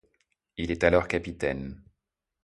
Il est alors capitaine.